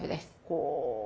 ほう。